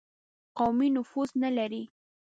قومي نفوذ نه لري.